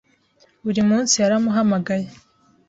Buri munsi yaramuhamagaye.